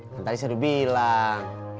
kan tadi saya udah bilang